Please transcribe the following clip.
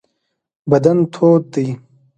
بدن تود دی.